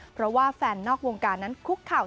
เพราะว่าแฟนนอกวงการนั้นคุกเข่า